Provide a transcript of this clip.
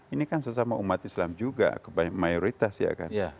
ini kan sesama umat islam juga kebanyakan mayoritas ya kan